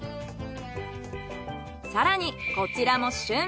更にこちらも旬。